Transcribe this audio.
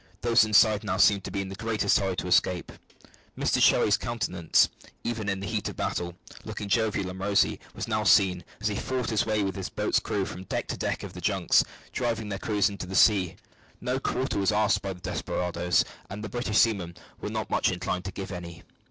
Those inside now seemed to be in the greatest hurry to escape. Mr Cherry's countenance, even in the heat of battle, looking jovial and rosy, was now seen, as he fought his way with his boat's crew from deck to deck of the junks, driving their crews into the sea. No quarter was asked by the desperadoes, and the British seamen were not much inclined to give any.